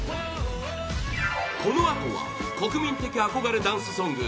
このあとは国民的憧れダンスソング